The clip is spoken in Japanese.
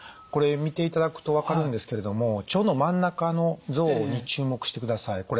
これ見ていただくと分かるんですけれども腸の真ん中の像に注目してください。